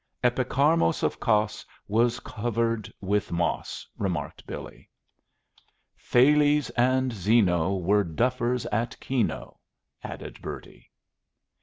"Epicharmos of Kos Was covered with moss," remarked Billy. "Thales and Zeno Were duffers at keno," added Bertie.